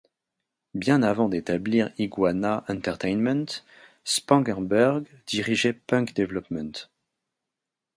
Bien avant d'établir Iguana Entertainment, Spangenberg dirigeait Punk Development.